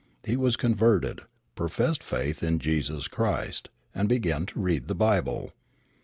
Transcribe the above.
He was converted, professed faith in Jesus Christ, and began to read the Bible.